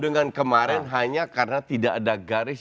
dengan kemarin hanya karena tidak ada garis